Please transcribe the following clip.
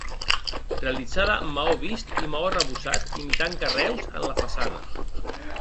Realitzada amb maó vist i maó arrebossat imitant carreus en la façana.